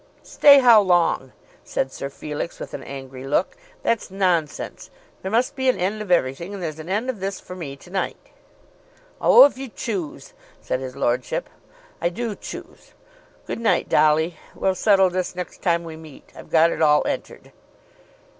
"Stay how long?" said Sir Felix, with an angry look. "That's nonsense; there must be an end of everything, and there's an end of this for me to night." "Oh, if you choose," said his lordship. "I do choose. Good night, Dolly; we'll settle this next time we meet. I've got it all entered."